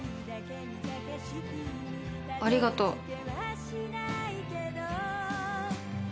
ありがとう。